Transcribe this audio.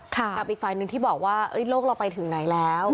กับอีกฝ่ายหนึ่งที่บอกว่าโลกเราไปถึงไหนแล้ว